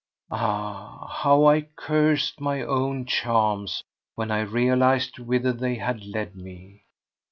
Ah, how I cursed my own charms, when I realised whither they had led me!